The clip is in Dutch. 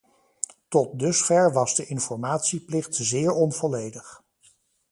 Tot dusver was de informatieplicht zeer onvolledig.